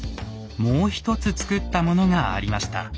もう一つつくったものがありました。